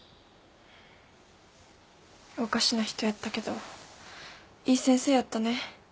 おかしな人やったけどいい先生やったね。